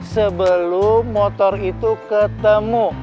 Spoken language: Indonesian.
sebelum motor itu ketemu